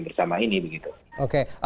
bersama ini oke